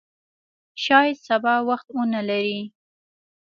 شاید سبا وخت ونه لرې !